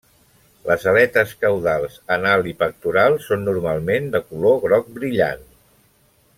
Les aletes caudals, anal i pectoral són normalment de color groc brillant.